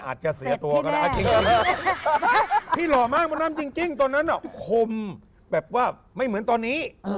อาจจะเสียตัวก็ได้พี่หล่อมากตัวนั้นจริงตัวนั้นน่ะคมแบบว่าไม่เหมือนตอนนี้